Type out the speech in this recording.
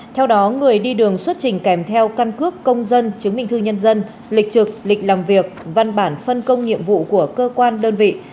theo đó người đi đường xuất trình kèm theo căn cước công dân chứng minh thư nhân dân lịch trực lịch làm việc văn bản phân công nhiệm vụ của cơ quan đơn vị